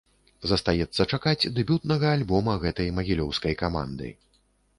Застаецца чакаць дэбютнага альбома гэтай магілёўскай каманды.